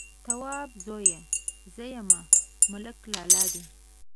_توابه زويه! زه يم، ملک لالا دې.